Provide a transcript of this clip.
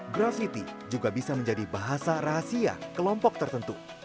grafiti juga bisa menjadi bahasa rahasia kelompok tertentu